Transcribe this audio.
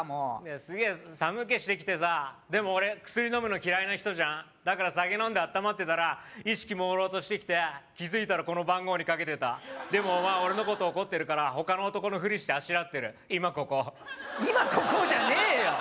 すげえ寒気してきてさでも俺薬飲むの嫌いな人じゃんだから酒飲んであったまってたら意識もうろうとしてきて気づいたらこの番号にかけてたでもお前俺のこと怒ってるから他の男のフリしてあしらってる今ここ「今ここ」じゃねえよ